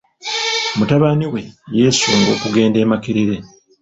Mutabani we yeesunga okugenda e Makerere.